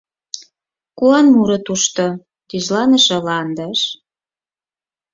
Куан муро тушто, тӱзланыше ландыш...